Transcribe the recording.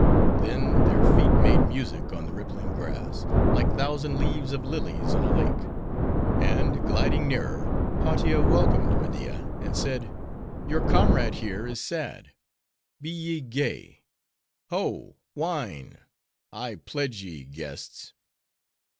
Then, their feet made music on the rippling grass, like thousand leaves of lilies on a lake. And, gliding nearer, Hautia welcomed Media; and said, "Your comrade here is sad:—be ye gay. Ho, wine!—I pledge ye, guests!"